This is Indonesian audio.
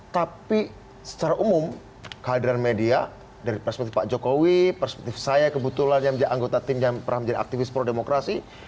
tapi secara umum kehadiran media dari perspektif pak jokowi perspektif saya kebetulan yang menjadi anggota tim yang pernah menjadi aktivis pro demokrasi